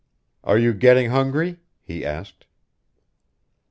"Are you getting hungry?" he asked.